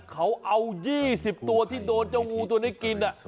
เขาเอา๒๐ตัวที่โดนเจ้างูตัวนี้กิน